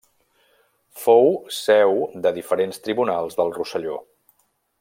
Fou seu de diferents tribunals del Rosselló.